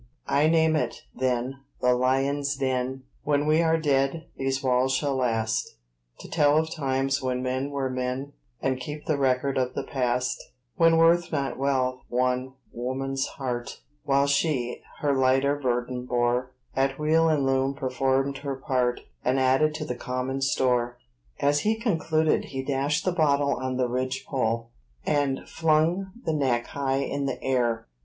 I name it, then, the "Lion's Den;" When we are dead these walls shall last, To tell of times when men were men, And keep the record of the past; When worth, not wealth, won woman's heart, While she her lighter burden bore; At wheel and loom performed her part, And added to the common store. As he concluded, he dashed the bottle on the ridge pole, and flung the neck high in the air.